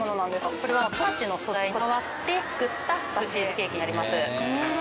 これは十勝の素材にこだわって作ったバスクチーズケーキになります。